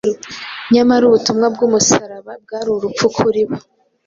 nyamara ubutumwa bw’umusaraba bwari ubupfu kuri bo